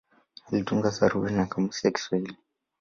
Alitunga sarufi na kamusi ya Kiswahili.